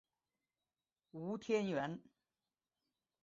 吴天垣。